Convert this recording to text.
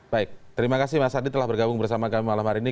baik terima kasih mas adi telah bergabung bersama kami malam hari ini